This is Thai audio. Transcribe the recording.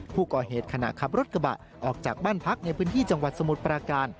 ขณะขับรถกระบะออกจากบ้านพักในพื้นที่จังหวัดสมุทรปราการ